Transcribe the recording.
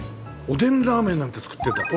おでんラーメンなんて作ってるんだ。